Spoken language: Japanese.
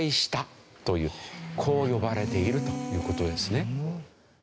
こう呼ばれているという事ですね。